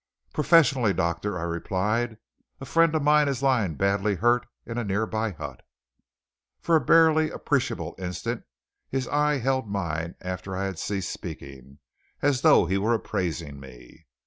"Professionally, doctor," I replied. "A friend of mine is lying badly hurt in a nearby hut." For a barely appreciable instant his eye held mine after I had ceased speaking, as though he was appraising me.